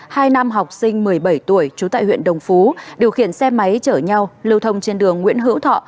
hai nam học sinh một mươi bảy tuổi trú tại huyện đồng phú điều khiển xe máy chở nhau lưu thông trên đường nguyễn hữu thọ